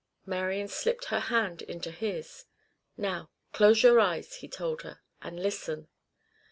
Marian slipped her hand into his. "Now close your eyes," he told her, "and listen."